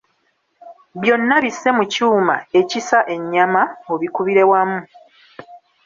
Byonna bisse mu kyuma ekisa ennyama obikubire wamu.